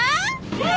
えっ？